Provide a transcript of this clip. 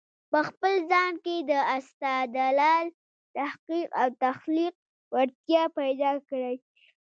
په خپل ځان کې د استدلال، تحقیق او تخليق وړتیا پیدا کړی